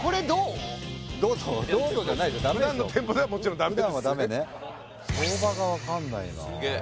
普段の店舗ではもちろんダメですよね相場が分かんないなすげえ